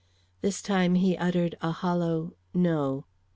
This time he uttered a hollow "No."